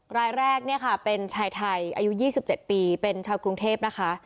รายแรกเนี่ยค่ะเป็นชายไทยอายุ๒๗ปีเป็นชาวกรุงเทพนะคะ